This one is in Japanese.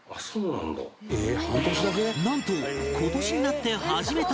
なんと今年になって始めたばかり